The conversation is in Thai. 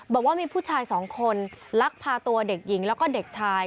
บอกว่ามีผู้ชายสองคนลักพาตัวเด็กหญิงแล้วก็เด็กชาย